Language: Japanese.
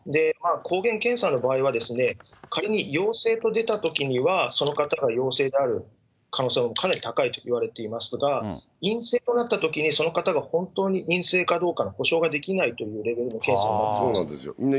抗原検査の場合は、仮に陽性と出たときにはその方が陽性である可能性がかなり高いといわれていますが、陰性となったときにその方が本当に陰性かどうかの保証ができないというレベルの検査になります。